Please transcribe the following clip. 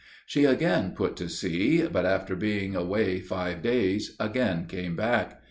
She again put to sea, but after being away five days, again came back.